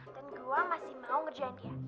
dan gue masih mau ngerjain dia